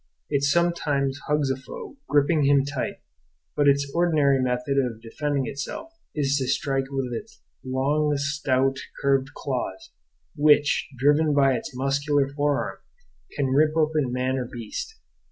It sometimes hugs a foe, gripping him tight; but its ordinary method of defending itself is to strike with its long, stout, curved claws, which, driven by its muscular forearm, can rip open man or beast.